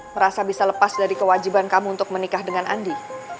merasa bisa lepas dari kewajiban kamu untuk menikah dengan andi